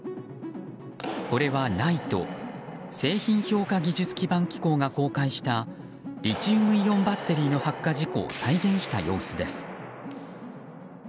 これは、ＮＩＴＥ・製品評価技術基盤機構が公開したリチウムイオンバッテリーの発火事故を再現した様子です。